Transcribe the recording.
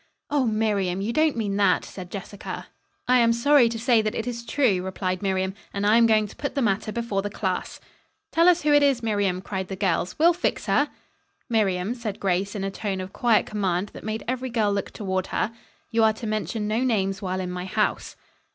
"Oh, Miriam, you don't mean that?" said Jessica. "I am sorry to say that it is true," replied Miriam, "and I am going to put the matter before the class." "Tell us who it is, Miriam," cried the girls. "We'll fix her!" "Miriam," said Grace in a tone of quiet command that made every girl look toward her, "you are to mention no names while in my house."